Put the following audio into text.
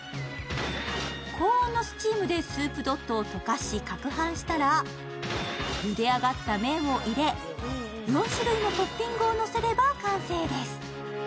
高温のスチームでスープＤＯＴを溶かしかくはんしたらゆで上がった麺を入れ、４種類のトッピングをのせれば完成です。